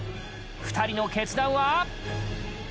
２人の決断は？